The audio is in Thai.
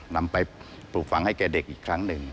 นำไปปลูกฝังให้แก่เด็กอีกครั้งหนึ่ง